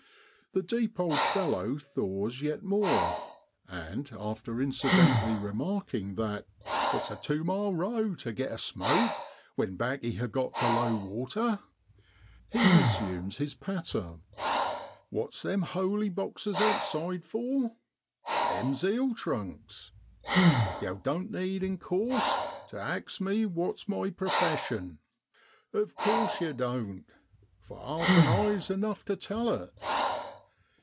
The deep old fellow thaws yet more, and after incidentally remarking that 'it's a tew mile row to get a smoke when baccy ha' got to low water,' he resumes his patter :* What's them holey boxes outside for ? Them's eel trunks. Yow doan't need, in course, to ax me what's my profession, of course yer doan't, for arf an eye's enough to tell it.